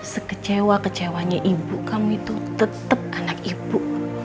sekecewa kecewanya ibu kamu itu tetap anak ibu